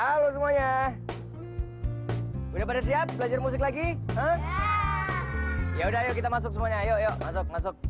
halo semuanya udah pada siap belajar musik lagi ya udah kita masuk semuanya yuk masuk masuk masuk